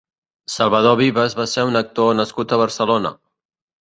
Salvador Vives va ser un actor nascut a Barcelona.